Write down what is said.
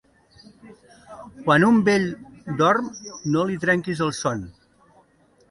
Quan un vell dorm no li trenquis el son.